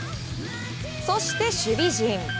そして、守備陣。